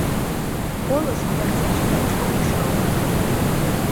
ბოლოს რედაქციებში დაიწყო მუშაობა.